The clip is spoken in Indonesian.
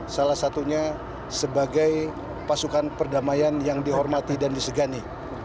salah satunya sebagai pasukan perdamaian yang dihormati dan disegani